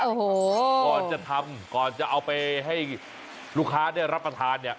โอ้โหก่อนจะทำก่อนจะเอาไปให้ลูกค้าได้รับประทานเนี่ย